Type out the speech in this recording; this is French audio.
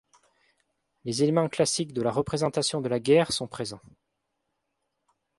Les éléments classiques de la représentation de la guerre sont présents.